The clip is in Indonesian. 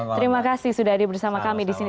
terima kasih sudah hadir bersama kami di sini